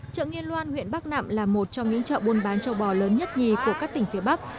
chợ nghiên loan huyện bắc nạm là một trong những chợ buôn bán châu bò lớn nhất nhì của các tỉnh phía bắc